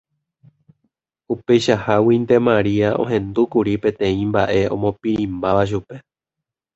Upeichaháguinte Maria ohendúkuri peteĩ mba'e omopirĩmbáva chupe.